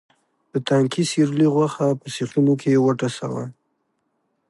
د تنکي سېرلي غوښه په سیخونو کې وټسوه.